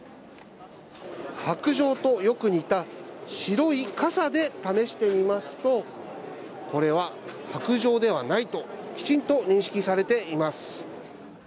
白じょうとよく似た白い傘で試してみますと、これは白じょうではないと、きちんと認識されています。